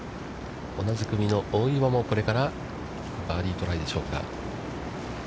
同じ組の大岩も、これからバーディートライでしょうか。